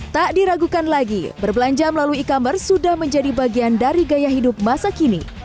tak diragukan lagi berbelanja melalui e commerce sudah menjadi bagian dari gaya hidup masa kini